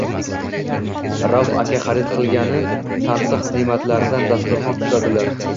Rauf aka xarid qilgan tansiq ne’matlardan dasturxon tuzadilar.